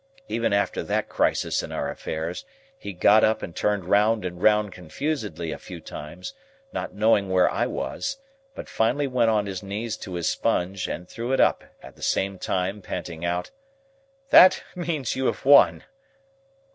Even after that crisis in our affairs, he got up and turned round and round confusedly a few times, not knowing where I was; but finally went on his knees to his sponge and threw it up: at the same time panting out, "That means you have won."